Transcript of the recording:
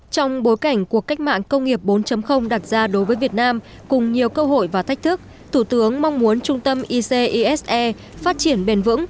trong bối cảnh cuộc cách mạng công nghiệp bốn đặt ra đối với việt nam cùng nhiều cơ hội và thách thức thủ tướng mong muốn trung tâm ic ise phát triển bền vững